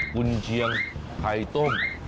กุญเชียงไอว์ต้ม